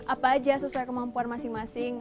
apa aja sesuai kemampuan masing masing